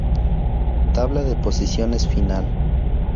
Tabla de posiciones final.